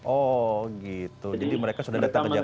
oh gitu jadi mereka sudah datang ke jakarta